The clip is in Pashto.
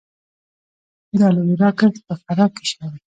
د الوویرا کښت په فراه کې شوی